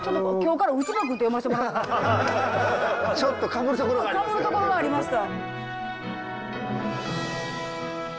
かぶるところがありました。